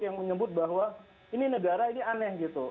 yang menyebut bahwa ini negara ini aneh gitu